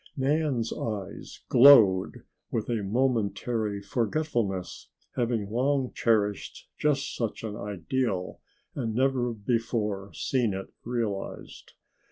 Nan's eyes glowed with a momentary forgetfulness, having long cherished just such an ideal and never before seen it realized.